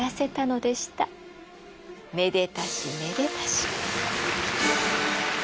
めでたしめでたし。